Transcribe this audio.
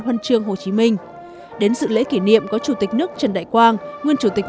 huân chương hồ chí minh đến sự lễ kỷ niệm có chủ tịch nước trần đại quang nguyên chủ tịch